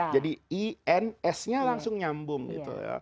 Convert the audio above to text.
jadi i n s nya langsung nyambung gitu